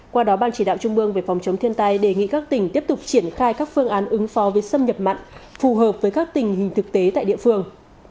qua đó ban chỉ đạo trung ương về phòng chống thiên tai đề nghị các tỉnh tiếp tục triển khai các phương án ứng phó với xâm nhập mặn phù hợp với các tình hình thực tế tại địa phương